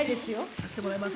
さしてもらいます